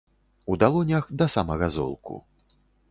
У далонях да самага золку.